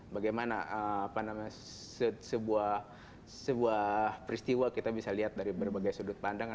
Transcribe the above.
bagaimana sebuah peristiwa kita bisa lihat dari berbagai sudut pandang